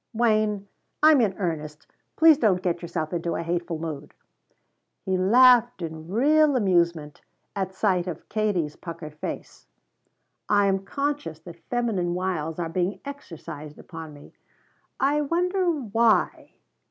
"Wayne I'm in earnest. Please don't get yourself into a hateful mood!" He laughed in real amusement at sight of Katie's puckered face. "I am conscious that feminine wiles are being exercised upon me. I wonder why?"